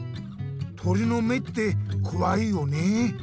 鳥の目ってこわいよね。